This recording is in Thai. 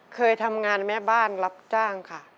เคยทำงานแม่บ้านรับจ้างค่ะ